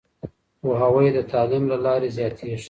پوهاوی د تعليم له لارې زياتېږي.